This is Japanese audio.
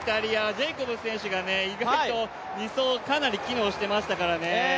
ジェイコブス選手が２走かなり機能してしたからね。